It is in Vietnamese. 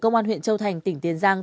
công an huyện châu thành tỉnh tiến giang